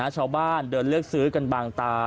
ชาวบ้านเดินเลือกซื้อกันบางตา